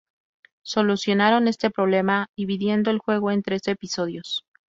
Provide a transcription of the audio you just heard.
Solucionaron este problema dividiendo el juego en tres episodios.